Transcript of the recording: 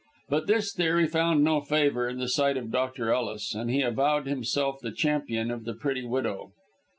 But this theory found no favour in the sight of Dr. Ellis, and he avowed himself the champion of the pretty widow.